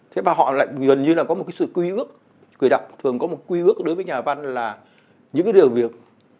thế và họ lại gần như là có một cái sự quy ước người đọc thường có một quy ước đối với nhà văn là những cái điều việc